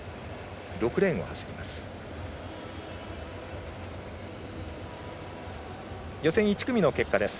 ６レーンを走ります。